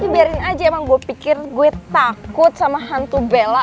biarin aja emang gue pikir gue takut sama hantu bella